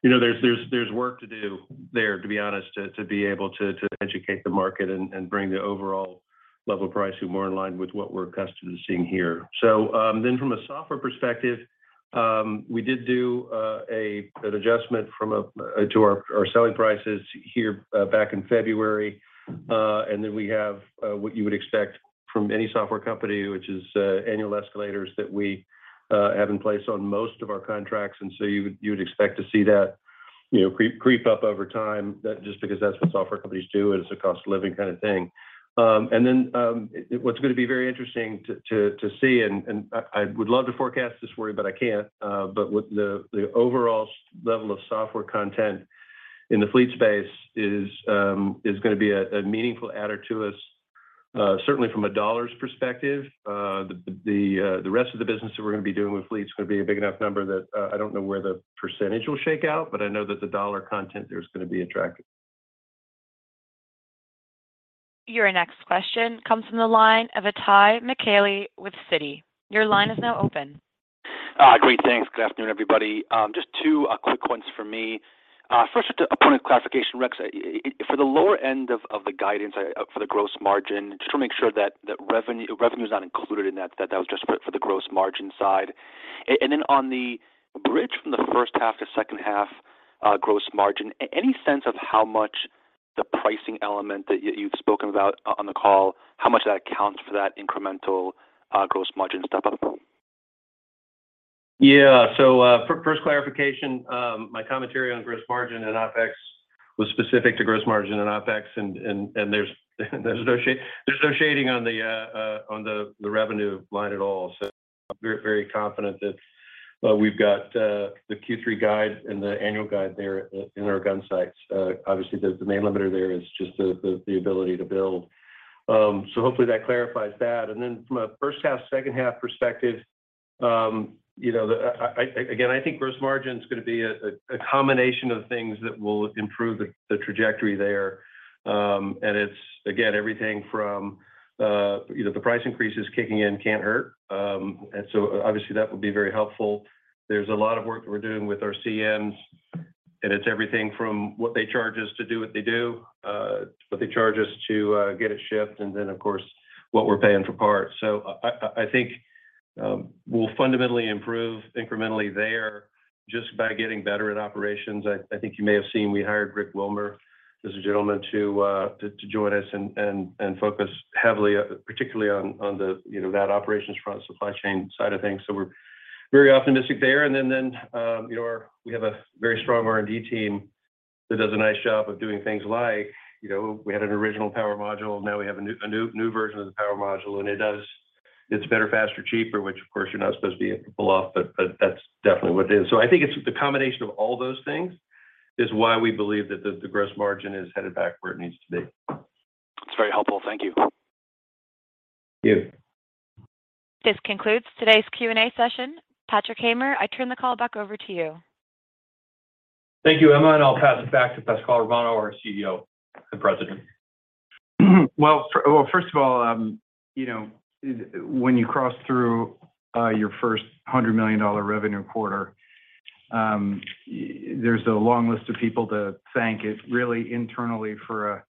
You know, there's work to do there, to be honest, to educate the market and bring the overall level of pricing more in line with what we're accustomed to seeing here. From a software perspective, we did do an adjustment to our selling prices here back in February. We have what you would expect from any software company, which is annual escalators that we have in place on most of our contracts. You would expect to see that, you know, creep up over time just because that's what software companies do, and it's a cost of living kind of thing. What's gonna be very interesting to see, and I would love to forecast this for you, but I can't. With the rest of the business that we're gonna be doing with fleet is gonna be a big enough number that I don't know where the percentage will shake out, but I know that the dollar content there is gonna be attractive. Your next question comes from the line of Itay Michaeli with Citi. Your line is now open. Great. Thanks. Good afternoon, everybody. Just two quick ones for me. First with the component classification, Rex, for the lower end of the guidance for the gross margin, just wanna make sure that revenue is not included in that was just for the gross margin side? On the bridge from the first half to second half gross margin, any sense of how much the pricing element that you've spoken about on the call accounts for that incremental gross margin step up? Yeah. First clarification, my commentary on gross margin and OpEx was specific to gross margin and OpEx. There's no shading on the revenue line at all. We're very confident that we've got the Q3 guide and the annual guide there in our gunsights. Obviously, the main limiter there is just the ability to build. Hopefully, that clarifies that. Then from a first half, second half perspective, you know, again, I think gross margin's gonna be a combination of things that will improve the trajectory there. It's again everything from, you know, the price increases kicking in can't hurt. Obviously, that would be very helpful. There's a lot of work we're doing with our CMs, and it's everything from what they charge us to do what they do, what they charge us to get it shipped, and then of course, what we're paying for parts. I think we'll fundamentally improve incrementally there just by getting better at operations. I think you may have seen we hired Rick Wilmer, this is a gentleman to join us and focus heavily, particularly on that operations front, supply chain side of things. We're very optimistic there. You know, we have a very strong R&D team that does a nice job of doing things like, you know, we had an original power module, now we have a new version of the power module, and it's better, faster, cheaper, which of course you're not supposed to be able to pull off, but that's definitely what it is. I think it's the combination of all those things is why we believe that the gross margin is headed back where it needs to be. That's very helpful. Thank you. Thank you. This concludes today's Q&A session. Patrick Hamer, I turn the call back over to you. Thank you, Emma, and I'll pass it back to Pasquale Romano, our CEO and President. Well, first of all, you know, when you cross through your first $100 million revenue quarter, there's a long list of people to thank. It really internally for a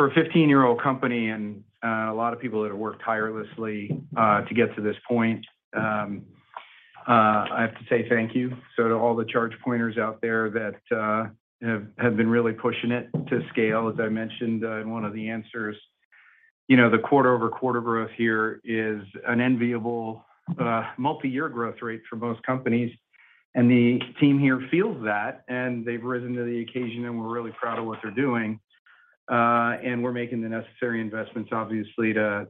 15-year-old company and a lot of people that have worked tirelessly to get to this point. I have to say thank you. To all the ChargePointers out there that have been really pushing it to scale, as I mentioned in one of the answers. You know, the quarter-over-quarter growth here is an enviable multi-year growth rate for most companies, and the team here feels that, and they've risen to the occasion, and we're really proud of what they're doing. We're making the necessary investments obviously to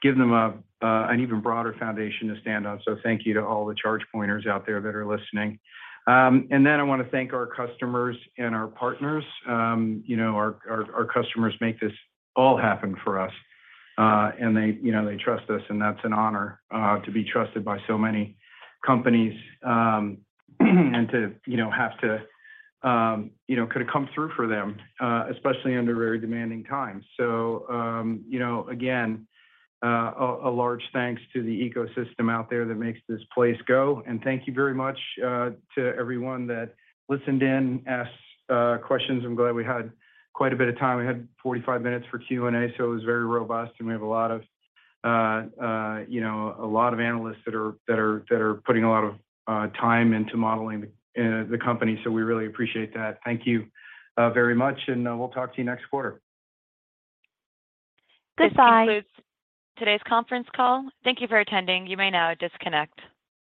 give them an even broader foundation to stand on. Thank you to all the ChargePointers out there that are listening. I wanna thank our customers and our partners. Our customers make this all happen for us, and they trust us, and that's an honor to be trusted by so many companies, and to have come through for them, especially under very demanding times. Again, a large thanks to the ecosystem out there that makes this place go. Thank you very much to everyone that listened in, asked questions. I'm glad we had quite a bit of time. We had 45 minutes for Q&A, so it was very robust, and we have a lot of, you know, a lot of analysts that are putting a lot of time into modeling the company. We really appreciate that. Thank you, very much, and we'll talk to you next quarter. Goodbye. This concludes today's conference call. Thank you for attending. You may now disconnect.